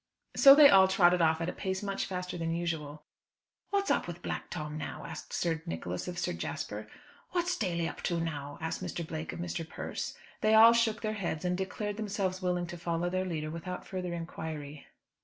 So they all trotted off at a pace much faster than usual. "What's up with Black Tom now?" asked Sir Nicholas of Sir Jasper. "What's Daly up to now?" asked Mr. Blake of Mr. Persse. They all shook their heads, and declared themselves willing to follow their leader without further inquiry.